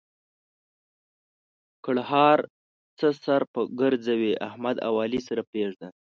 ګړهار: څه سر په ګرځوې؛ احمد او علي سره پرېږده.